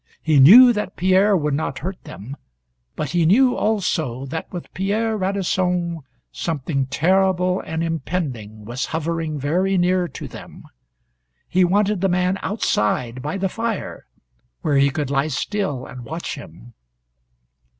He knew that Pierre would not hurt them, but he knew also that with Pierre Radisson something terrible and impending was hovering very near to them. He wanted the man outside by the fire where he could lie still, and watch him.